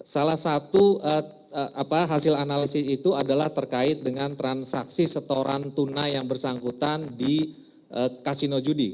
salah satu hasil analisis itu adalah terkait dengan transaksi setoran tunai yang bersangkutan di kasino judi